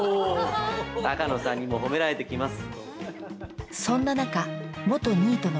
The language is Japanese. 鷹野さんにも褒められてきます。